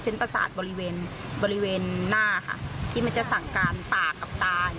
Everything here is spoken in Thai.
ประสาทบริเวณบริเวณหน้าค่ะที่มันจะสั่งการปากกับตา